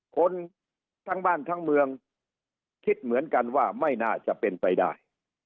คนทั้งบ้านทั้งเมืองคิดเหมือนกันว่าไม่น่าจะเป็นไปได้